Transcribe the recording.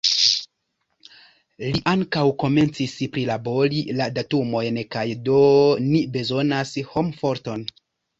Li ankaŭ komencis prilabori la datumojn kaj do ni bezonas homforton.